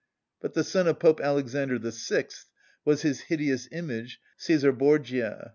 But the son of Pope Alexander VI. was his hideous image, Cæsar Borgia.